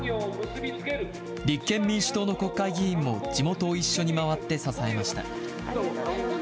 立憲民主党の国会議員も、地元を一緒に回って支えました。